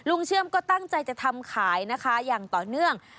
เชื่อมก็ตั้งใจจะทำขายนะคะอย่างต่อเนื่อง